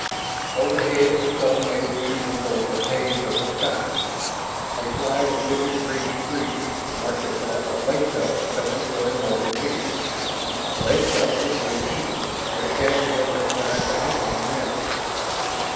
Overhead the sun made its usual golden haze of the sky. A flight of vivid green streaks marked a flock of lake ducks coming for a morning feeding. Lake duck was good eating, but Shann had no time to hunt one now.